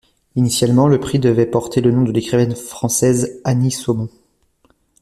Initialement, le prix devait porter le nom de l'écrivaine française Annie Saumont.